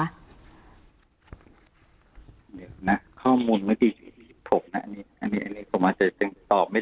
ครอบคุณนะข้อมูลมันดีถึงจุดอีก๒๐ผมนะ